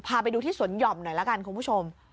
พาไปดูที่สวนหย่อมหน่อยละกันคุณผู้ชม